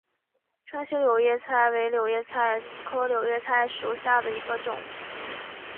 川西柳叶菜为柳叶菜科柳叶菜属下的一个种。